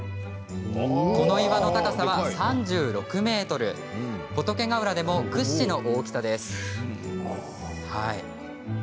この岩の高さは３６ｍ仏ヶ浦でも屈指の大きさです。